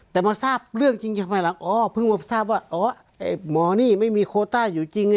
แต่มาทราบเรื่องจริงจากภายหลังอ๋อเพิ่งมาทราบว่าอ๋อไอ้หมอนี่ไม่มีโคต้าอยู่จริง